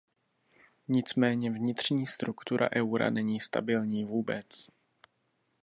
Nicméně vnitřní struktura eura není stabilní vůbec.